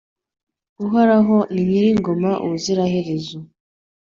Uhoraho ni nyir’ingoma ubuziraherezo